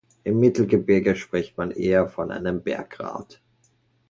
Im Mittelgebirge spricht man eher von einem Berggrat.